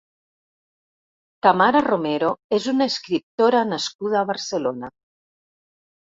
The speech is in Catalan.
Tamara Romero és una escriptora nascuda a Barcelona.